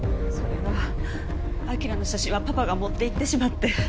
それが輝の写真はパパが持っていってしまって。